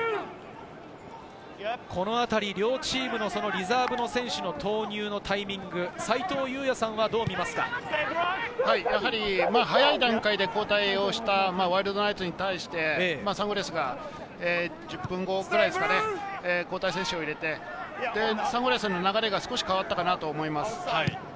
このあたり、両チームのリザーブの選手の投入のタイミング、早い段階で交代したワイルドナイツに対して、サンゴリアスが１０分後くらいですかね、交代選手を入れて、サンゴリアスの流れが少し変わったかなと思います。